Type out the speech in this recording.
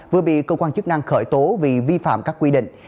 vừa bị cơ quan chức năng khởi tố vì vi phạm các quy định